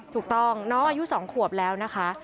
ถูกต้องน้องอายุ๒ขวบแล้วนะคะ